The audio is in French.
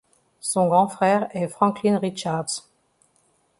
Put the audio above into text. Son grand frère est Franklin Richards.